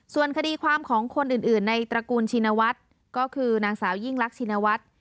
ส่วนคดีความของคนอื่นในตระกูลชินวัฒน์ก็คือนางสาวยิ่งรักชินวัฒน์